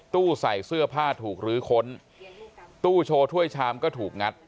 ใส่เสื้อผ้าถูกลื้อค้นตู้โชว์ถ้วยชามก็ถูกงัด